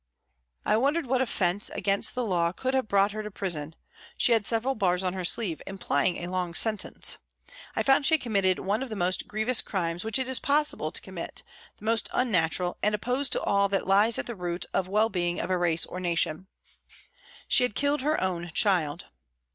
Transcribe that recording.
I wondered what offence against the law could have brought her to prison, she had several bars on her sleeve, implying a long sentence. I found she had committed one of the most grievous crimes which it is possible to commit, the most unnatural, and opposed to all that lies at the root well being of a race or nation. She had killed her own child.